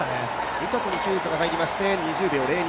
２着にヒューズが入りまして２０秒０２